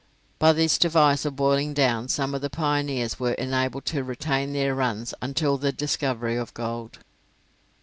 By this device of boiling down some of the pioneers were enabled to retain their runs until the discovery of gold.